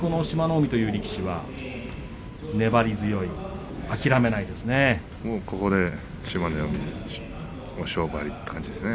海という力士は粘り強い、諦めないですね。